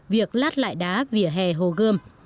việc lát lại đá vỉa hè hồ gươm